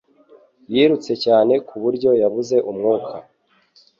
Yirutse cyane ku buryo yabuze umwuka.